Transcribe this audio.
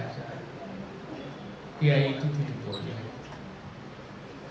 saya itu tidak boleh